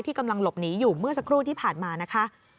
กำลังหลบหนีอยู่เมื่อสักครู่ที่ผ่านมานะคะ